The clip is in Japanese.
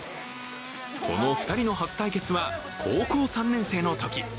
この２人の初対決は、高校３年生のとき。